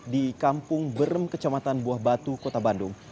di kampung berem kecamatan buah batu kota bandung